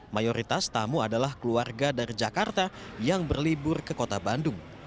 mayoritas tamu adalah keluarga dari jakarta yang berlibur ke kota bandung